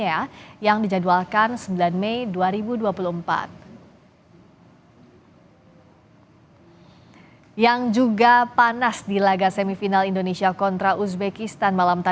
saya ingin mengucapkan selamat menang ke uzebakistan